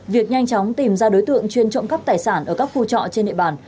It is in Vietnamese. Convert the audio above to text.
việc nhanh chóng tìm ra đối tượng chuyên trộm cắp tài sản ở các khu trọ trên địa bàn